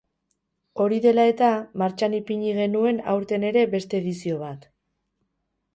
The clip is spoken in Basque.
Hori dela eta, martxan ipini genuen aurten ere beste edizio bat.